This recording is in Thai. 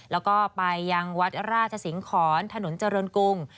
แล้วก็ไปยังวัดราชสิงหอนถนนเจริญกรุง